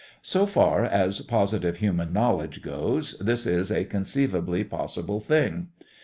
So far as positive human knowledge goes, this is a conceivably possible thing.